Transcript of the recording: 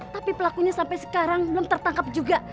tapi pelakunya sampai sekarang belum tertangkap juga